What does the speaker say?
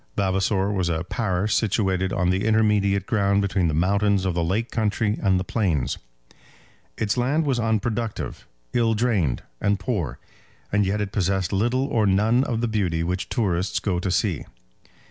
Vavasor was a parish situated on the intermediate ground between the mountains of the lake country and the plains. Its land was unproductive, ill drained, and poor, and yet it possessed little or none of the beauty which tourists go to see.